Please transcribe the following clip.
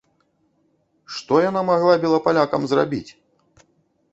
Што яна магла белапалякам зрабіць?